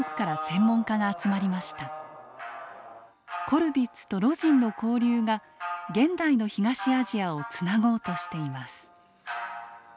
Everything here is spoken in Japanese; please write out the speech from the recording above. コルヴィッツと魯迅の交流が現代の東アジアをつなごうとしています。